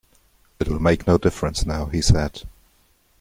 "It will make no difference now," he said.